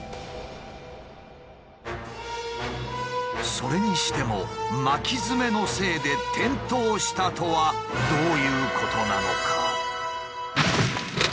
それにしても巻きヅメのせいで転倒したとはどういうことなのか？